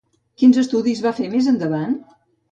Quins estudis va fer més endavant?